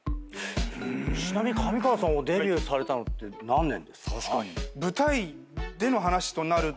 ちなみに上川さんデビューされたのって何年ですか？